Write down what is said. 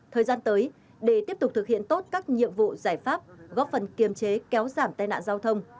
thời gian tới để tiếp tục thực hiện tốt các nhiệm vụ giải pháp góp phần kiềm chế kéo giảm tai nạn giao thông